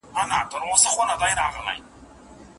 د نارينه او ښځي ايجاب او قبول نکاح بلل کيږي.